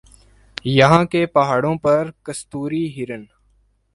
یہاں کے پہاڑوں پر کستوری ہرن